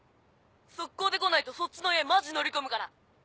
即行で来ないとそっちの家マジ乗り込むから。